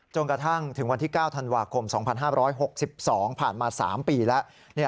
จนกระทั่งถึงวันที่๙ธันวาคม๒๕๖๒ผ่านมา๓ปีแล้ว